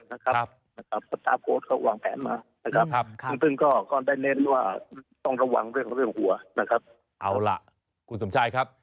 ตามโปสต์เค้าวางแผนมาซึ่งก็ได้เน้นว่าต้องระวังเรื่องหัว